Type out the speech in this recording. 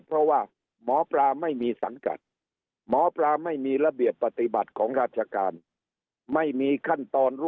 เพราะว่าหมอปราไม่มีสังกัดหมอปราไม่มีระเบียบปฏิบัติของราชกาล